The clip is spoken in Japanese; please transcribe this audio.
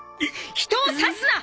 人を指すな！